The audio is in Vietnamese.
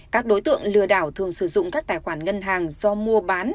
các đối tượng lừa đảo thường sử dụng các tài khoản ngân hàng do mua bán